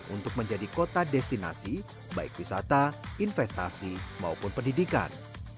untuk menjadi kota destinasi baik wisata investasi maupun pendidikan